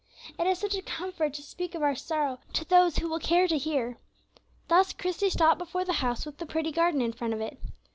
It is such a comfort to speak of our sorrow to those who will care to hear. Thus Christie stopped before the house with the pretty garden in front of it.